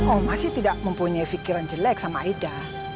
oh masih tidak mempunyai pikiran jelek sama aida